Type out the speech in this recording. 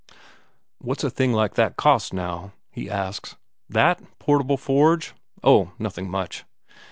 "What's a thing like that cost, now?" he asks. "That? Portable forge? Oh, nothing much."